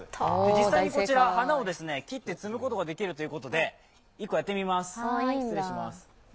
実際にこちら、花を切って摘むことができるということで、１個やってみます。